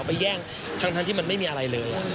ไปแย่งทั้งที่มันไม่มีอะไรเลย